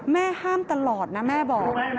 แม่ห้ามตลอดนะแม่บอก